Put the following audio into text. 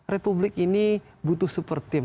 republik ini butuh super team